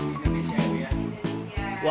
indonesia itu ya